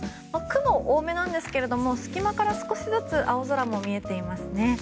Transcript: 雲は多めですが隙間から少しずつ青空も見えていますね。